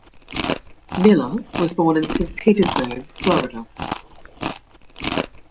Miller was born in Saint Petersburg, Florida.